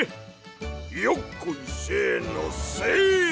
よっこいせのせい！